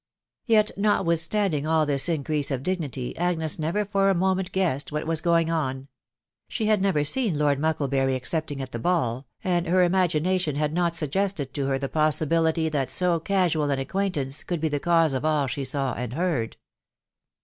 Yet notwithstanding all this increase of dignity, Agnes never for a moment guessed what was going on ; she had never seen Lord Mucklebury excepting at the ball, and her imagin ation had not suggested to her the possibility that so casual an acquaintance could be the cause of all she saw and heard.